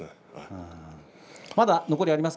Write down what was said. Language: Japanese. まだ残りがあります。